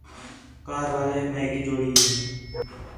کار والے میگی جوڑین٘دے